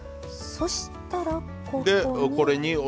そしたらここに。